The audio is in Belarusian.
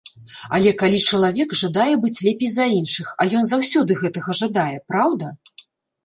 Але калі чалавек жадае быць лепей за іншых, а ён заўсёды гэтага жадае, праўда?